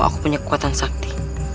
aku punya kekuatan sakti